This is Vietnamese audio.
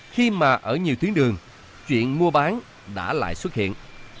khi mà ở nhiều tuyến đường chuyện mua bán đã lại xuất hiện